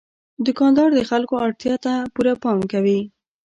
دوکاندار د خلکو اړتیا ته پوره پام کوي.